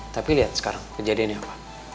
tapi lihat sekarang kejadiannya apa